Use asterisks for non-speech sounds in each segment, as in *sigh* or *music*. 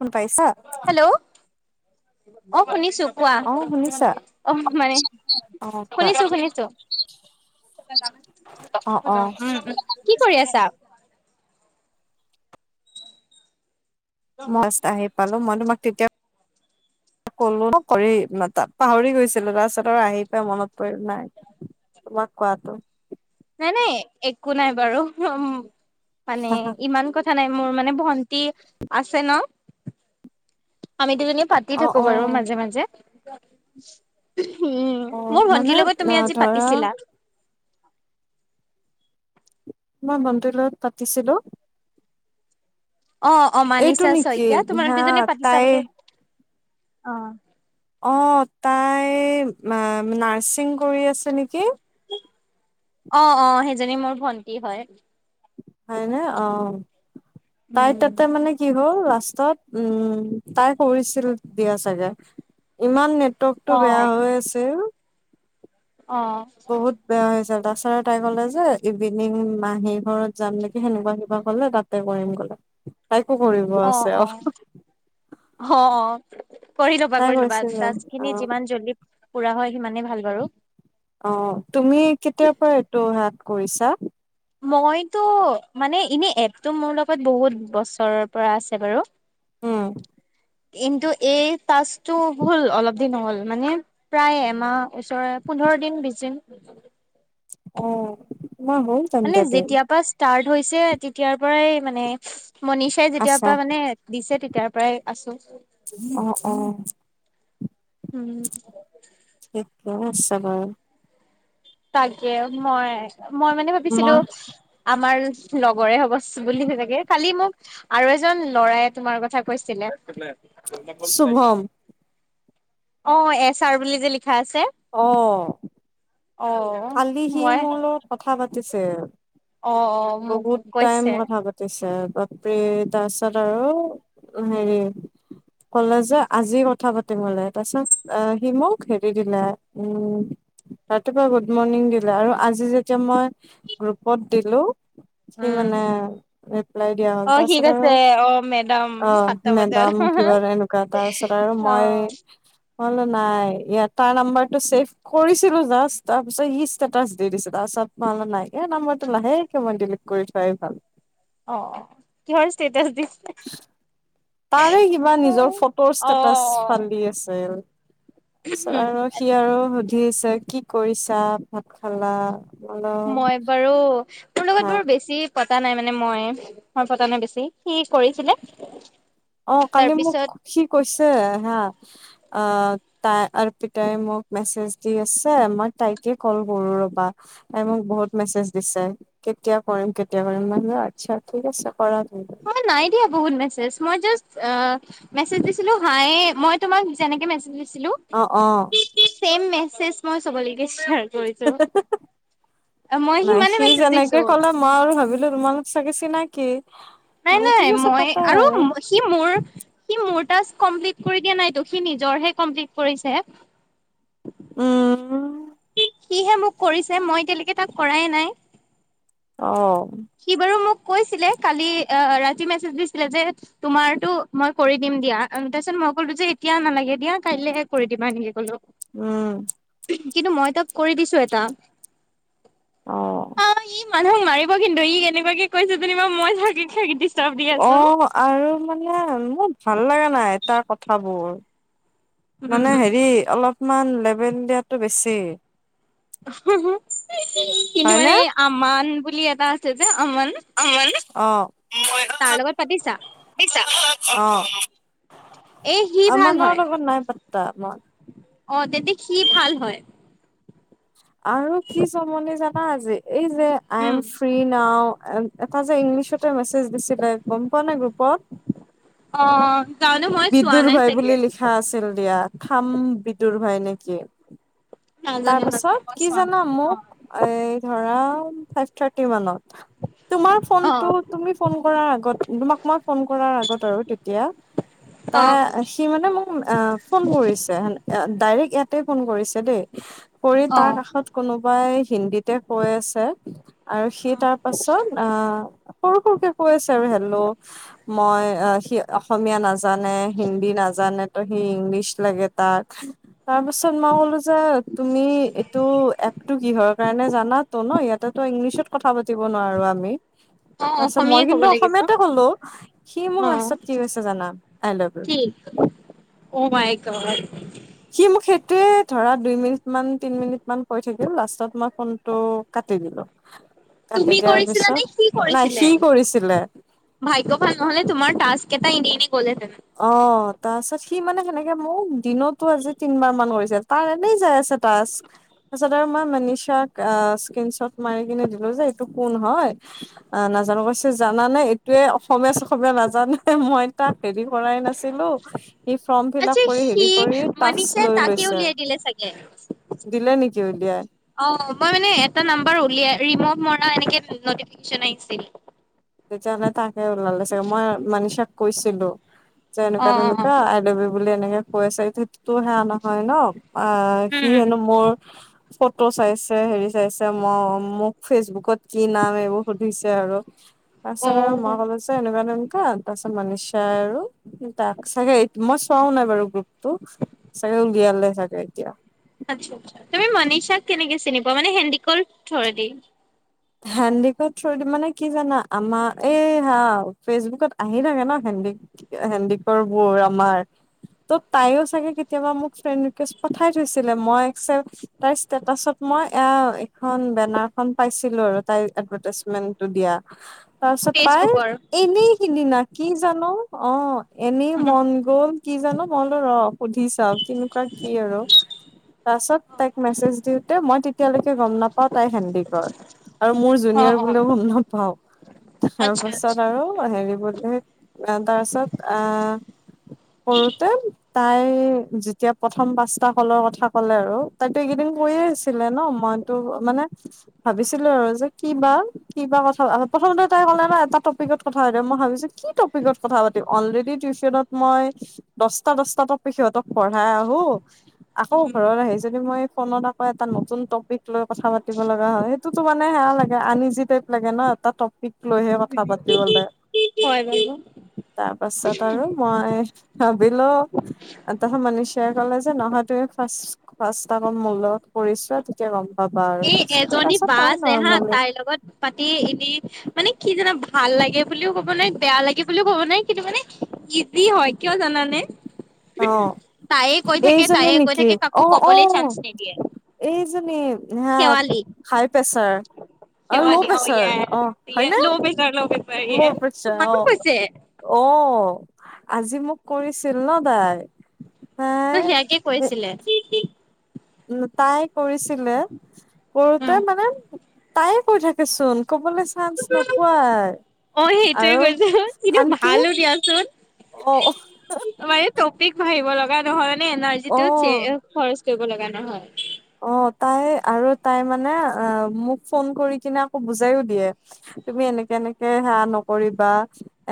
শুন পাইছা হেল্ল'। অ', শুনিছো। কোৱা, অ শুনিছা অ' মানে, অ কোৱা শুনিছো শুনিছো, অ অ উম উ, কি কৰি আছা? *unintelligible* আহি পালো, মই তোমাক তেতিয়া ক'লো *unintelligible* পাহৰি গৈছিলো, তাৰপিছত আৰু আহি পাই মনত পৰিল, নাই, তোমাক কোৱাটো নাই নাই, একো নাই বাৰু, উম। মানে, ইমান কথা নাই। মোৰ মানে ভন্টি আছে ন অ', আমি দুজনী পাতি অ থাকো অ বাৰু মাজে মাজে *inaudible* উম অ মোৰ মানে ভন্টিৰ লগত অ তুমি আজি ধৰা পাতিছিলা মই ভন্টিৰ লগ পাতিছিলো অ', অ', এইটো মানিছা নেকি শইকীয়া তোমালোক হা দুজনে পাতিছা তাই বোলে অ', অ', তাই নাৰ্ছিং কৰি আছে নেকি? অ', অ ', সেইজনী মোৰ ভন্টি হয়। হয়নে অ',। তাই উম তাতে মানে কি হ'ল লাষ্টত, উম তাই কৰিছিল দিয়া চাগে। ইমান নে নেটৱৰ্কটো অ বেয়া হৈ আছিল অ বহুত বেয়া হৈ আছে দা ছাৰে তাই কলে যে ইভিনিং মাহী ঘৰত যাম নেকি সেনেকুৱা কিবা ক'লে তাতে কৰিম গলে। তাই অ', অ', অ', অ',। কৰি ল'বা তাই কৰি ল'বা কৈছিলে টাছ অ খিনি যিমান জলদি পুৰা হয় সিমানেই ভাল বাৰু। অ', তুমি কেতিয়া পৰা এইটো হাত কৰিছা? মইতো মানে এনে এপটো মোৰ লগত বহুত বছৰৰ পৰা আছে বাৰু উম। কিন্তু এই টাছটো হ'ল অলপ দিন হ'ল মানে প্ৰায় এমাহ ওচৰে পোন্ধৰ দিন, বিশ দিন। অ', তোমাৰ হ'ল মানে তেন্তে দিন। যেতিয়াৰ পৰা ষ্টাৰ্ট হৈছে তেতিয়াৰ পৰাই মানে মনীষাই যেতিয়াৰ আছা পৰা মানে দিছে তেতি ইয়াৰ পৰাই আছোঁ। অ', অ', হম *unintelligible* *unintelligible* চাবা তাকে মই মই মানে মই ভাবিছিলোঁ আমাৰ লগৰে হ'ব চা চাগে বুলি তেনেকে খালি মোক আৰু এজন লৰায় তোমাৰ কথা কৈছিলে। বল পাইছ। শুভম অ', এছ আৰ বুলি যে লিখা আছে। অ', অ কালি সি মই মোৰ লগত কথা পাতিছে। অ', অ, মোক কৈছে। আছে বাপৰে তাৰপিছত আৰু, হেৰি ক'লে যে আজি কথা পাতিম বলে তাৰপিছত আহ সি মোক হেৰি দিলে উম, ৰাতিপুৱা গ গুড মৰ্ণিং দিলে আৰু আজি যেতিয়া মই, গ্ৰুপত দিলোঁ সি উম মানে, ৰিপ্লাই দিয়া হ'ল অ সি তাৰপিছত আৰু, কৈছে অ মেডাম অ, সাতটা বজাত মেডাম কিবা এনেকুৱা এটা তাৰপিছত আৰু অ মই মই বোলো নাই, এ তাৰ নাম্বাৰটো ছেভ কৰিছিলোঁ জাষ্ট তাৰপিছত ই ষ্টেটাছ দি দিছে তাৰপিছত ভাবিলোঁ নাই এই নম্বৰটো লাহেকে মই ডিলিট কৰি থোৱাই ভাল। অ', কিহৰ ইচটেটাচ দি এ তাৰে কিবা নিজৰ ফটোৰ ষ্টেটাচ ফালি আছিল, তাৰপিছত আৰু সি আৰু সুধি আছে কি কৰিছা, ভাত খালা? বোলো মই বাৰু তোৰ লগত নাই বাৰু বেছি পতা নাই মানে মই, মই পতা নাই বেছি সি কৰিছিলে অ কালি মোক তাৰপিছত সি কৈছে হা, অ তাই অপিতাই মোক মেছেজ দি আছে মই তাইকে কল কৰো ৰবা তাই মোক বহুত মেছেজ দিছে কেতিয়া কৰিম কেতিয়া কৰিম মান আচ্ছা ঠিক আছে। কৰা তুমি মই নাই দিয়া বহুত মেজ মই জা আ মেছেজ দিছিলো হায় মই তোমাক যেনেকে মেছেজ দিছিলো, অ অ দিছিলো চেম মে চে মই চবলৈ চে *unintelligible* মই নাই সিমানে সি মেছেজ যেনেকে দিছো কলে মই আৰু ভাবিলো তোমাল চাগে চি নাই কি। নাই নাই মই আৰু সি মোৰ সি মোৰ টাচ কমপ্লিট কৰি দিয়া নাইতো সি নিজৰহে কমপ্লিট কৰিছে। উম সিহে মোক কৰিছে মই এতিয়ালৈকে তাক কৰায়ে নাই। অ সি বাৰু মোক কৈছিলে কালি ৰাতি মেছেজ দিছিলে যে তোমাৰতো মই কৰি দিম দিয়া তাৰপিছত মই কলো যে এতিয়া নালাগে দিয়া কাইলেহে কৰি দিবা এনেকে কলো। উম, কিন্তু মই তাক কৰি দিছো এটা। অহ, অ ই মানুহক মাৰি ৰিব কিন্তু ই এনেকুৱাকে কৈছে, যেনিবা মই *unintelligible* আছো অ' আৰু মানে মোৰ ভাল লাগা নাই। তাৰ কথাবোৰ, মানে হেৰি উম অলপ কিমান লেভেল দিয়টো বেছি, কিন্তু হয়নে? মানে আমান বুলি এটা আছে, আমন অ' অ' এ সি ভাল আমানৰ হয় লগত নাই পাতা মই। অ, যেদি সি ভাল হয় *inaudible* আৰু কি জমনি জান পা আজি এই যে I am um free now, এটা যে ইংলিছতে মেছেজ দিছিলে গম পোৱা নে গ্ৰুপত? অ' জানো মই চোৱা বিদুৰ নাই ভাই চাগে বুলি লিখা আছিল দিয়া, থাম বিদুৰ ভাগ নে কি! তাৰ নাজানো নাজানো পাছত, মই কি চোৱা নাই জানা অ মোক, এ ধৰা ফাইভ থাৰ্টি মানত তোমাৰ অ ফোনটো, তুমি ফোন কৰাৰ আগত, তোমাক মই ফোন কৰাৰ আগত ত' তেতিয়া অ তাৰ, সি মানে মোক ফোন কৰিছে, ডাইৰেক্ট ইয়াত তে ফোন কৰিছে দেই কৰি অ অ তাৰ কাষত কোনোবাই হিন্দীতে কৈ আছে আৰু সি তাৰ পাছত আহ, ক ক ক ক আছে আৰু হেললো মই অ' সি অসমীয়া নচ নাজানে হিন্দী নাজানে ইংলিছ লাগ তাত তাৰ পিছত মই ক'লো যে তুমি এইটো এপটো কিহৰ কাৰণে জানাতো ন ইয়াতে তো ইংলিছত কথা পা দিব নোৱাৰো আমি অ তা--ছত মই অসমীয়াই ক'ব কিন্তু লাগিব অসমীয়াতে কলো সি মোক অ লাষ্টত কি হৈছে জানা আই লাভ ইউ কি অ মাই গড সি মোক সেইটোৱে ধৰা দুই মিনিট মান তিন মিনিট মান কৈ থাকিল লাষ্টত মই ফোনটো কাটি দিলো কাটি তুমি দিয়াৰ কৰিছিলা নে পিছত সি নাই কৰিছিলে সি কৰিছিলে ভাগ্য ভাল নহলে তোমাৰ টাস্ককেটা এনে এনে গলে হেতেন তাৰ-ছত সি মানে সেনেকে মোক দিনতো আজি তিনবাৰ মান মাৰিছে তাৰ এনেই যাই আছে তাচ তাৰ-ছত আৰু মই মনিচাক আহ স্কন চ্বট মাৰি কিনে দিলো যে এইটো কোন হয় নাজানো কৈছে জানা নে তোয়ে অসমীয়া চখমীয়া নাজানে এ মই তাক হেৰিও ভবাই নাছিলো সি ফৰ্ম ফিল আচ্ছা কৰি হেৰি সি কৰি টাস্ক মনিষাই লৈ তাকে লৈছে উলিয়াই দিলে চাগে। দিলে নিকি ত উলিয়াক অ মানে এটা নাম্বাৰ উলিয়া ৰিমভ মৰা এনেকে নটিফিকেচন আহিছিলে তেতিয়াহলে তাকে ওলালে চাগে মই মানচাক কৈছিলো যে এনেকুৱা অ' তেনেকুৱা অ' আই লভ ইউ বুলি এনেকে কৈ আছে সেইটোতো সেয়া নহয় ন অ সি উম, হেনো মোৰ ফটো চাইছে হেৰি কৈছে মই মোক ফেচবুকত কি নাম এইবোৰ সুধিছে আৰু তা--ছত আৰু অ' মই কলো চা এনেকুৱা এনেকুৱা তা--ছত মনিচা চাই আৰু তাক চাগে মই চোৱাও নাই বাৰু গ্ৰুপটো চাগে উলিয়ালে চাগে এতিয়া আচ্ছা আচ্ছা তুমি মনিচাক কেনেকে চিনি পোৱা মানে হেডিকল থ্ৰদি হেণ্ডিকৰ থ্ৰদি মানে কি জানা আমাৰ এই হা ফেচবুকত আহি থাকে ন হেন্ডিক হেডিকৰ বোৰ আমাৰ ত' তাইও চাগে কেতিয়াবা মোক ফ্ৰেড ৰিকুৱেষ্ট পঠাই থৈছিলে মই একচেপ্ট তাইৰ ষ্টেটাচত মই অ খন বেনাৰখন পাইছো পাইছিলো আৰু তাই এডভেটাইচ মেনটো দিয়া তা চত তাই ফেচবুকৰ। এনেই সিদিনা কি জানো অ এনেই মন গ'ল কি জানো মই বোলো ৰ সুধি চাও কেনেকুৱা কি আৰু তা--ছত তাইক মেছেজ দিওঁতে মই তেতিয়ালৈকে গম নাপাও তাই হেণ্ডিকৰ আৰু মোৰ জুনিয়ৰ অ', অ', বুলি গম নাপাও তাৰ আচ্ছা পাছত আচ্ছা আৰু হেৰি বোৰ তা--ছত আহ কৰোতে তাই যেতিয়া প্ৰথম পাঁচটা কলৰ কথা ক'লে আৰু তাইতো এইকেইদিন কৈয়ে আছিলে ন মইতো মানে ভাবিছিলো আৰু যে কিবা কিবা কথা প্ৰথমতে তাই কলে ন এটা টপিকত কথা পাতিম মই ভাবিছো কি টপিকত কথা পাতিম অলৰেডি টিউচনত মই দশটা দশটা টপিক সিহঁতক পঢ়াই আহো আকৌ ঘৰত আহি য মই ফোনত আকৌ এটা নতুন টপিক লৈ কথা পাতিব লগা হয় তোতো মানে সেয়া লাগে আনিজি টাইপ লাগে ন এটা টপিক লৈহে কথা পাতিবলে। হয় বাৰু। তাৰ পাছত আৰু মই ভাবিলো এটাহ *unintelligible* কলে যে নহয় তুমি ফাৰ ফাৰচটা কম মূলত কৰিছোৱা তেতিয়া গ'ম পাবা আৰু এই এজনী পিছত। বা আছে হা তাইৰ লগত পাতি এনে মানে কি জানা ভাল লাগে বুলিও ক'ব নোৱাৰি বেয়া লাগে বুলিও ক'ব নোৱাৰি কিন্তু মানে ইজি হয় কিয় জানানে। অ', তায়ে কৈ থাকে এইজনী তায়ে কৈ নেকি থাকে কাকো অ', কবলৈ চান্স অ', নিদিয়ে এইজনী। হা শেৱালি হাই প্ৰেচাৰ অ', ল' শেৱালি প্ৰেচাৰ য়েছ অ', য়েছ হয়নে। Low pressure low pressure low yes pressure তোমাকো অ', কৈছে অ'। আজি মোক কৰিছিল ন তাই। ত তাই সিয়াকে কৈছিলে। উম তাই কৰিছিলে কৰোতে উম মানে তাই কৈ থাকে চোন। কবলৈ চানস নোপোৱাই অ সেইটোৱে আৰু কৈছো কিন্তু আনকি ভালো দিয়াচোন অ' অপিক ভাবিব লগা নহয় মানে এনাৰ্জিটো অ খৰচ কৰিব লগা নাই। নহয়। অ', তাই আৰু তাই মানে, মোক ফোন কৰি কিনে আকৌ বুজাইও দিয়ে তুমি এনেকে এনেকে সেয়া নকৰিবা,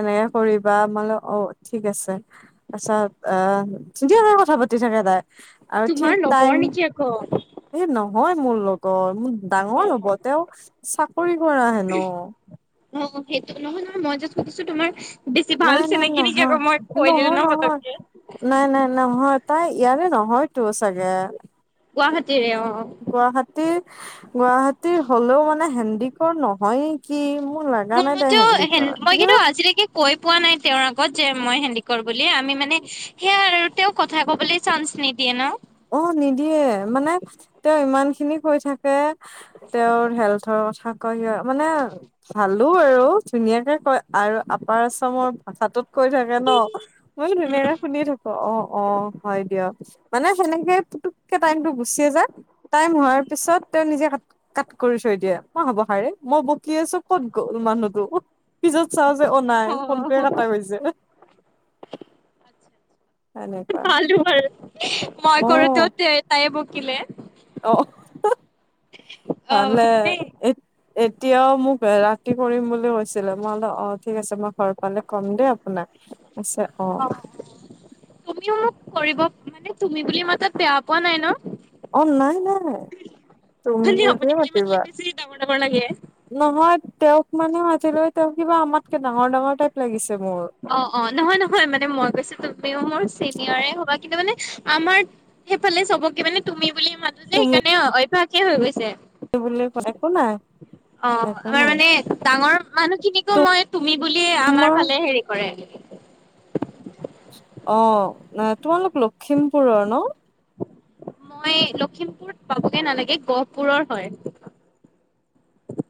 এনেকে কৰিবা মান অ', ঠিক আছে। তাৰছত *unintelligible* কথা পাতি থাকে তাই। আৰু ঠিক তোমাৰ টাইম লগৰ নেকি আকৌ? এই নহয় মোৰ লগৰ মোৰ ডাঙৰ হ'ব তেওঁ চাকৰি কৰা হেনো। অ', সেইটো নহয় নহয় মই যে সুধিছো তোমাৰ বেছি ভাল নাই-নাই চিনাকি নেকি নহয়, আকৌ মই কৈ দিলো নহয় ন নহয় পতককে নাই নাই নহয় তাই ইয়াৰে নহয় তো চাগে। গুৱাহাটী এ অ'। গুৱাহাটীৰ গুৱাহাটীৰ হলেও মানে হেন্দিক নহয় নেকি মোৰ লাগা মো- নাই তাই মইতো হেণ্ডিকৰ মই কিন্তু আজিলইকে কৈ পোৱা নাই তেওঁৰ আগত। যে মই হেন্দিকৰ বুলি আমি মানে সেয়া আৰু তেওঁ কথা কবলৈ চান্স নিদিয়ে ন। অ', নিদিয়ে মানে তেওঁ ইমান খিনি কৈ থাকে তেওঁৰ হেল্থৰ কথা ক মানে ভালো আৰু ধুনীয়াকে কয় আৰু। ৰ আশ্ৰমৰ ভাষাটোত কৈ থাকে ন, ময়ো উম ধুনীয়াকে শুনিে থাকো অ', অ', হয় দিয়ক। মানে সেনেকে পুতুকে টাইম টো গুচিয়ে যা টাইম হোৱাৰ পিছত তেওঁ নিজে ক কাট কৰি থৈ দিয়ে মই হব খাৰে মই বকি আছো ক'ত গ'ল মানুহতটো উ পিছত, চাও যে অ নাই ফোনটয়ে কটা গছে ভাল মই অ কৰোতো তাই ব থাকিলে অ' অ মানে *inaudible* এতিয়াও মোক ৰাতি কৰিম বুলি কৈছ ছিলে, মই লো অ, ঠিক আছে মই ঘৰ পালে কম দেই আপোনাক কৈছে অ। তুমিও মোক কৰিব মানে, তুমি বুলি মাতাত বেয়া পোৱা নাই ন? অ, নাই, নাই। তুমি *unintelligible* আপুনি বুলিয়ে বুলি মাতিলে মাতিবা বেছ ডাঙৰ ডাঙৰ লাগে। নহয় তেওঁক মানে আজিলৈ তেওঁ কিবা আমাতকে ডাঙৰ ডাঙৰ টাইপ লাগিছে। মোৰ অ, অ, নহয়, নহয়, মানে মই কৈছোঁ তুমিও মোৰ চি নিঅ'ৰে হবা কিন্তু মানে, আমাৰ সেইফালে চবকে মানে তুমি বুলি মাতো যে, তুমি সেইকাৰণে অভ্যাস *unintelligible* হৈ গৈছে। বুলি ক একো নাই অ, একো আৰু নাই মানে ডাঙৰ মানুহখিনিক ত' মই তু মি বুলিয়ে আমাৰ তোমাৰ ফালে হেৰি অ' তোমালোক লখিমপুৰৰ ন মই লখিমপুৰত পাবগে নালাগে গহপুৰৰ হয়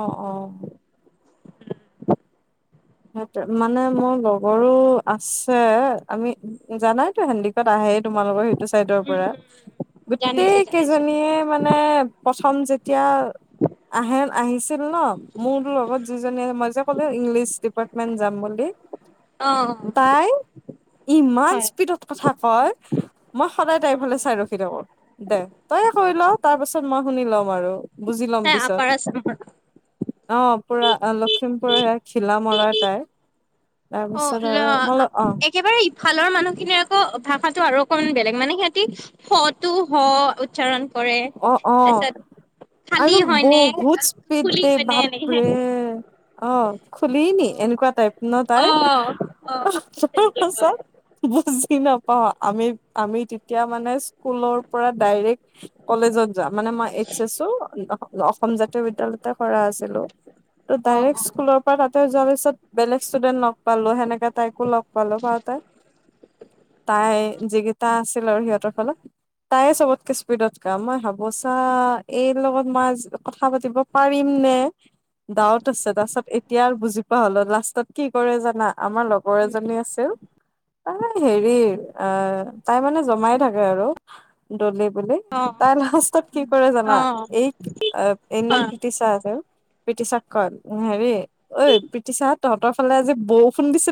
অ' অ' উম সেই মানে মোৰ লগৰো আছে আমি জানাইতো হেণ্ডিকত আহে তোমাল লগোকৰ স চাইডৰ পৰা গোটেই জানিছো জানিছো কেইজনীয়ে মানে প্ৰথম যে তেওৰ আহে আহিছিল ন মোৰ লগত যিজনী মই যে ক'লো ইংলিছ যাম বুলি, অ' তাই ইমান হয়। স্পিডত কথা কয়, মই সদায় তাইফালে চাই ৰখি থাকো। দে তইয়ে কয় ল, তাৰপিছত মই শুনি লম আৰু। বুজি ল'ম তাই পিছত আপাৰ আচা অ' পুৰা লখিমপুৰ হয় খিলা। মৰা তাই। অ' তাৰপিছত আৰু অ' মই অ একেবাৰে ইফালৰ মানুহখিনিৰ আকৌ ভা ষাটো আৰু অকমান বেলেগ। মানে, সিহঁতি স টো হ। উচ্চাৰণ কৰে অ' অ' তাৰপিছত আৰু খালী হয়নে বহুত স্পীড খুলি দেই হয়নে এনেকে বাপৰে! অ' খুলি নি এনেকুৱা টাইপ ন তাইৰ। অ অ তেনেকে কয় *unintelligible* *unintelligible* নাপাও আমি আমি তেতিয়া মানে স্কুলৰ পৰা ডাইৰেক্ট। কলেজত। যোৱা, মানে মই এইক চাইছো অসম জাতীয় বিদ্যালয়তে কৰা আছে। ত' অ অ ডাইৰেক্ট স্কুলৰ পৰা তাক তই যোৱাৰ পিছত বেলেগ ষ্টুডেন্ট লগ পালো সেনেকে তাইকো লগ পালো বাৰু তাই, তাই যিকিটা আছিল আৰু সিহঁতৰ ফালত তাইে চবতকে স্পিডত মই ভাবো চা এইৰ লগত মই আজি কথা পাতিব পাৰিম নে, ডাউট আছে তাৰপিছত এতিয়া আৰু বুজি পোৱা হলো, লাষ্টত কি কৰে জানা? আমাৰ লগৰ এজনী আছিল। *unintelligible* হেৰি, আহ তাই মানে জমাই থাকে আৰু, দলি প তাই লাষ্টত কি কৰে জানা, অ অ এইক এইৰ নাম হয় প্ৰিতিশা আছিল। প্ৰিতিছাক কই হেৰি ঐ প্ৰিতিশাহ তহঁতৰ ফালে আজি বৰষুণ দিছিল